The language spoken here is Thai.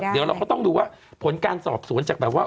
เดี๋ยวเราก็ต้องดูว่าผลการสอบสวนจากแบบว่า